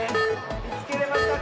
みつけれましたか？